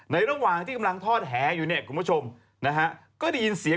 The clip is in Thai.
ในระหว่างที่กำลังทอดแหอยู่คุณผู้ชมก็ได้ยินเสียง